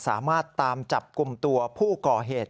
สามารถตามจับกลุ่มตัวผู้ก่อเหตุ